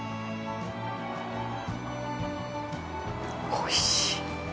おいしい！